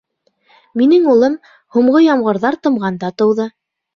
— Минең улым, һуңғы ямғырҙар тымғанда тыуҙы.